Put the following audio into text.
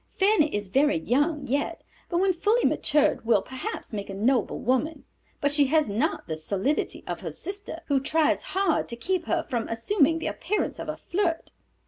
"Fanny is very young yet, but when fully matured will perhaps make a noble woman, but she has not the solidity of her sister, who tries hard to keep her from assuming the appearance of a flirt."